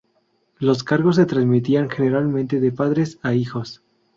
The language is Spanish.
Los cargos se transmitían, generalmente, de padres a hijos.